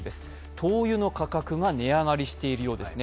灯油の価格が値上がりしているようですね。